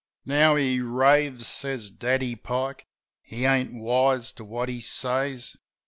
"Now he raves," says Daddy Pike. "He ain't wise to what he says.